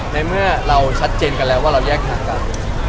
ในเมื่อเราชัดเจนกันแล้วว่าเราแยกทางกัน